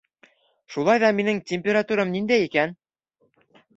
Шулай ҙа минең температурам ниндәй икән?